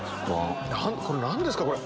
何ですか！